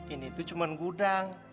ini tuh cuma gudang